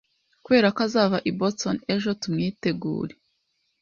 Kubera ko azava i Boston ejo tumwitwgure